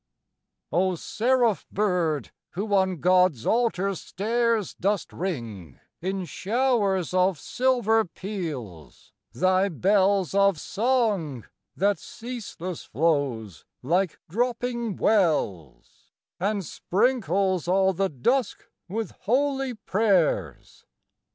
O seraph bird who on God's altar stairs Dost ring, in showers of silver peals, thy bells Of song that ceaseless flows like dropping wells, And sprinkles all the dusk with holy prayers!